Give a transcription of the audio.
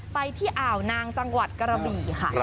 ไปที่อ่าวนางจังหวัดกระบี่ค่ะ